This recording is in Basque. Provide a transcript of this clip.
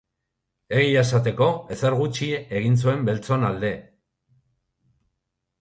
Egia esateko, ezer gutxi egin zuen beltzon alde.